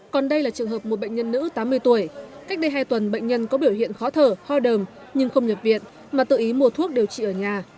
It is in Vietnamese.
còn đây là trường hợp một bệnh nhân nữ tám mươi tuổi cách đây hai tuần bệnh nhân có biểu hiện khó thở ho đờm nhưng không nhập viện mà tự ý mua thuốc điều trị ở nhà